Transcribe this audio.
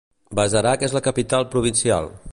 Bazarak és la capital provincial.